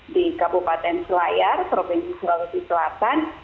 di kabupaten selayar provinsi sulawesi selatan